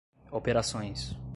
operações